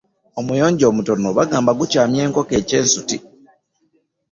Omuyonjo omutono bagamba gukyamya enkoko ekyensuti.